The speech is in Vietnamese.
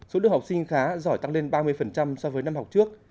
số lượng học sinh khá giỏi tăng lên ba mươi so với năm học trước